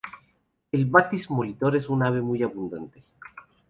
El batis molitor es un ave muy abundante.